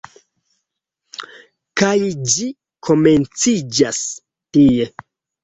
Kaj ĝi komenciĝas tie.